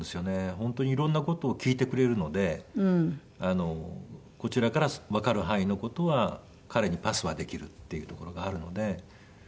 本当に色んな事を聞いてくれるのでこちらからわかる範囲の事は彼にパスはできるっていうところがあるので。